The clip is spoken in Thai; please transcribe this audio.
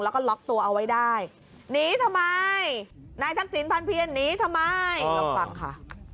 แล้วก็ล็อกตัวเอาไว้ได้หนีทำไมนายทักษิณพันเพียรหนีทำไมลองฟังค่ะ